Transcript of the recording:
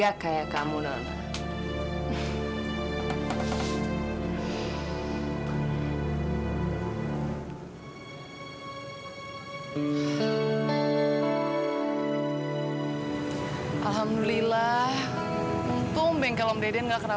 aku akan buat satu rumah ini benci sama kamu